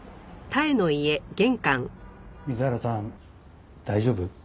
水原さん大丈夫？